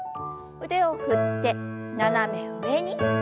腕を振って斜め上に。